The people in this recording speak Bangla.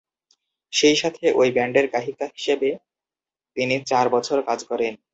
সেই সাথে ঐ ব্যান্ডের গায়িকা হিসেবে তিনি চার বছর কাজ করেন।